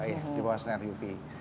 iya di bawah sinar uv